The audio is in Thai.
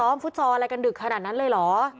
ฟุตซอลอะไรกันดึกขนาดนั้นเลยเหรอ